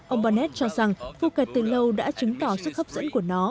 ông barnet cho rằng phuket từ lâu đã chứng tỏ sức hấp dẫn của nó